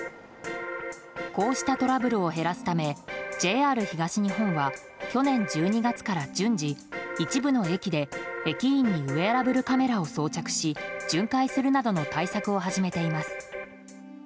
こうしたトラブルを減らすためＪＲ東日本は去年１２月から順次、一部の駅で駅員にウェアラブルカメラを装着し巡回するなどの対策を始めています。